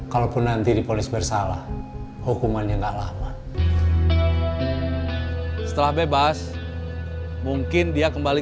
kalau pun nanti diponis bersalah hukumannya enggak lama setelah bebas mungkin dia kembali